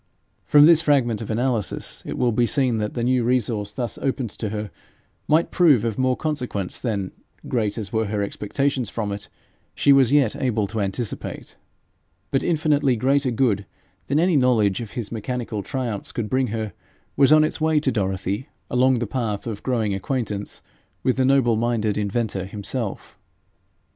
From this fragment of analysis it will be seen that the new resource thus opened to her might prove of more consequence than, great as were her expectations from it, she was yet able to anticipate. But infinitely greater good than any knowledge of his mechanical triumphs could bring her, was on its way to Dorothy along the path of growing acquaintance with the noble minded inventor himself.